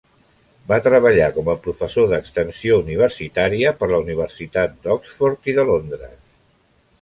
Va treballar com a professor d'extensió universitària per la Universitat d'Oxford i de Londres.